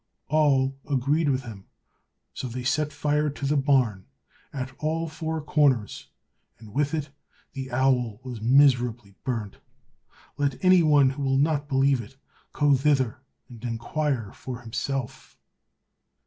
All agreed with him. So they set fire to the barn at all four corners, and with it the owl was miserably burnt. Let any one who will not believe it, go thither and inquire for himself.